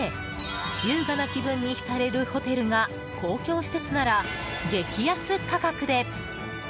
優雅な気分に浸れるホテルが公共施設なら激安価格で！